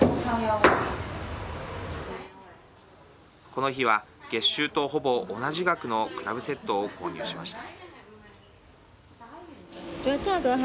この日は月収とほぼ同じ額のクラブセットを購入しました。